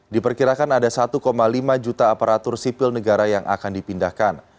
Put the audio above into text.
diperkirakan ada satu lima juta aparatur sipil negara yang akan dipindahkan